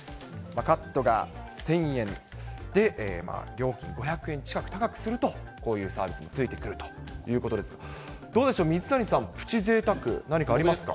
カットが１０００円で、料金５００円近く高くすると、こういうサービスもついてくるということですが、どうでしょう、水谷さん、プチぜいたく、何かありますか？